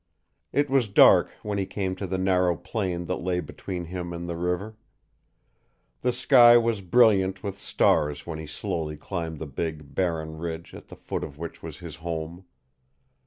It was dark when he came to the narrow plain that lay between him and the river. The sky was brilliant with stars when he slowly climbed the big, barren ridge at the foot of which was his home.